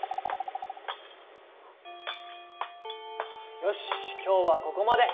よし今日はここまで。